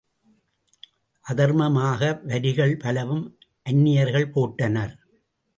அதர்ம மாக வரிகள் பலவும் அந்நி யர்கள் போட்டனர்.